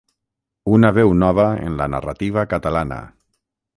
Una veu nova en la narrativa catalana.